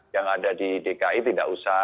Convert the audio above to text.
yang ada di dki tidak usah